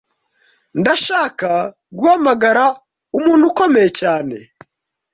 Ndashaka guhamagara umuntu ukomeye cyane